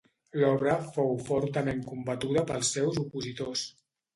L'obra fou fortament combatuda pels seus opositors.